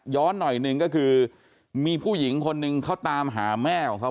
หน่อยหนึ่งก็คือมีผู้หญิงคนหนึ่งเขาตามหาแม่ของเขา